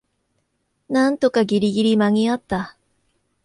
なんとかギリギリ間にあった